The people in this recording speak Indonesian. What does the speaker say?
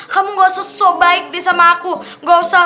kamu nggak usah baik sama aku nggak usah